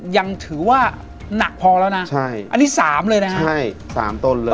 ยังถือว่าหนักพอแล้วนะใช่อันนี้สามเลยนะฮะใช่สามต้นเลย